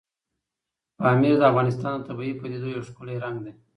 پامیر د افغانستان د طبیعي پدیدو یو ښکلی رنګ دی.